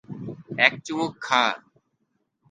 এক চুমুক খা!